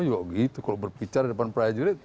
juga begitu kalau berbicara depan prajurit